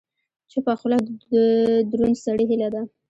چپه خوله، د دروند سړي هیله ده.